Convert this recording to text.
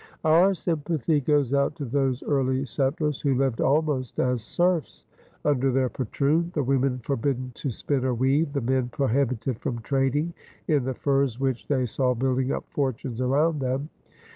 Our sympathy goes out to those early settlers who lived almost as serfs under their patroon, the women forbidden to spin or weave, the men prohibited from trading in the furs which they saw building up fortunes around them.